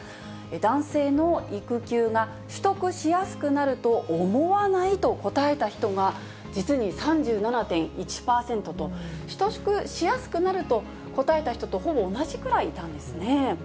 男性の育休が取得しやすくなると思わないと答えた人が、実に３７．１％と、取得しやすくなると答えた人とほぼ同じくらいいたんですね。